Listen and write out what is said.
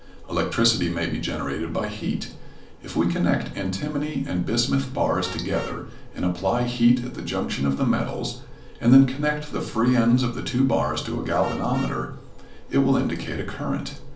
Electricity may be generated by heat. If we connect antimony and bismuth bars together and apply heat at the junction of the metals and then connect the free ends of the two bars to a galvanometer, it will indicate a current.